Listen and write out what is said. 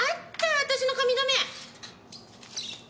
私の髪留め。